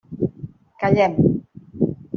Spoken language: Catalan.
Callem.